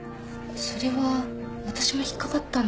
それは私も引っ掛かったんですけど。